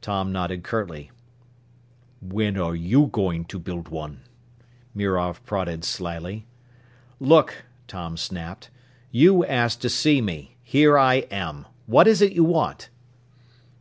Tom nodded curtly. "When are you going to build one?" Mirov prodded slyly. "Look!" Tom snapped. "You asked to see me. Here I am. What is it you want?"